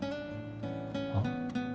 あっ？